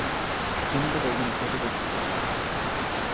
Agenda para una mejor reconstrucción